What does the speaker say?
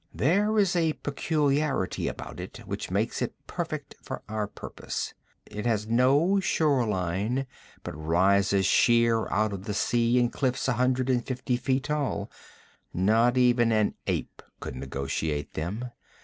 There is a peculiarity about it which makes it perfect for our purpose. It has no shore line, but rises sheer out of the sea in cliffs a hundred and fifty feet tall. Not even an ape could negotiate them.